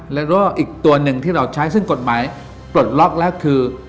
แล้วก็อีกตัวหนึ่งที่เราใช้ซึ่งกฎหมายปลดล็อกแล้วคือ